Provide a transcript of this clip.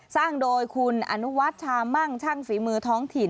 สร้างโดยคุณอนุวัชชามั่งช่างฝีมือท้องถิ่น